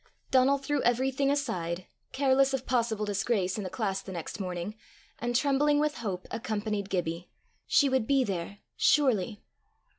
Donal threw everything aside, careless of possible disgrace in the class the next morning, and, trembling with hope, accompanied Gibbie: she would be there surely!